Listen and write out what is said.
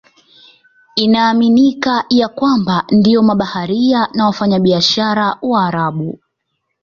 Inaaminika ya kwamba ndio mabaharia na wafanyabiashara Waarabu.